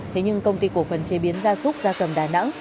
thế nhưng công ty cổ phần chế biến gia súc gia cầm đà nẵng